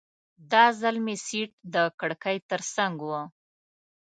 دا ځل مې سیټ د کړکۍ ترڅنګ و.